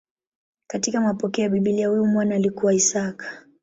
Katika mapokeo ya Biblia huyu mwana alikuwa Isaka.